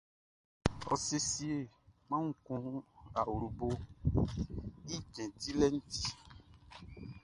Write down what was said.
Ɔ siesie kpanwun kun awloboʼn i cɛn dilɛʼn i ti.